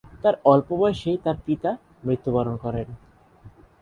তার অল্প বয়সেই তার পিতা মৃত্যুবরণ করেন।